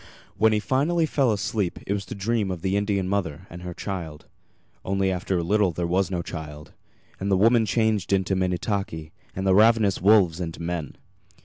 When he finally fell asleep it was to dream of the Indian mother and her child; only after a little there was no child, and the woman changed into Minnetaki, and the ravenous wolves into men.